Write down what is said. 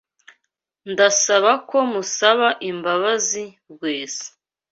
Ndasaba ko musaba imbabazi Rwesa.